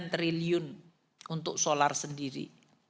satu ratus empat puluh sembilan triliun untuk solar sendiri